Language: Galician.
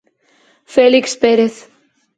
Félix Pérez.